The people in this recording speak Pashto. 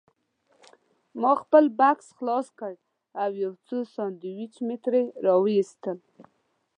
ما خپل بکس خلاص کړ او یو څو سنډوېچ مې ترې راوایستل.